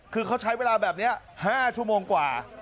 คือเขาใช้เวลาแบบนี้๕ชั่วโมงกว่า